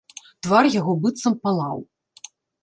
Твар яго быццам палаў.